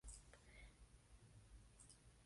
Janáček revisó la misa el próximo año.